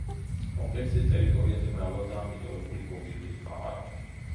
კომპლექსის ტერიტორიაზე მრავლადაა მიტოვებული გოგირდის მაღარო.